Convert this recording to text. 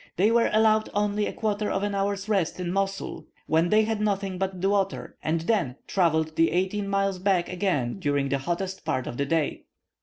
They were allowed only a quarter of an hour's rest in Mosul, where they had nothing but water, and then travelled the eighteen miles back again during the hottest part of the day.